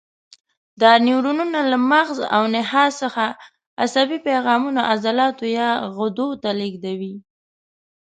دا نیورونونه له مغز او نخاع څخه عصبي پیغامونه عضلاتو یا غدو ته لېږدوي.